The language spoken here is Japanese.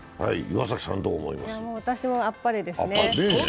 私も、あっぱれですね。